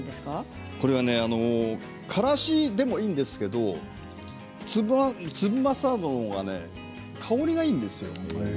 からしでもいいんですけれど粒マスタードのほうが香りがいいですよ。